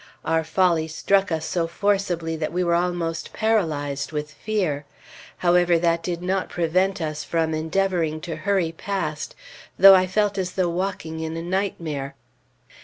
Our folly struck us so forcibly that we were almost paralyzed with fear. However, that did not prevent us from endeavoring to hurry past, though I felt as though walking in a nightmare.